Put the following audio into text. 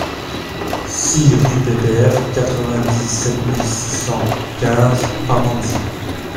six rue PPF, quatre-vingt-dix-sept mille six cent quinze Pamandzi